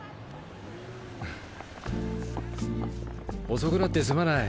遅くなってすまない。